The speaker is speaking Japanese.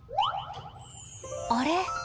あれ？